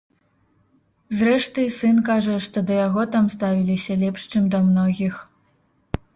Зрэшты, сын кажа, што да яго там ставіліся лепш, чым да многіх.